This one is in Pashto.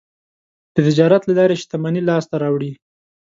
د تجارت له لارې شتمني لاسته راوړي.